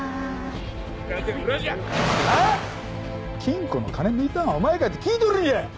金庫の金抜いたんはお前かって聞いとるんじゃ！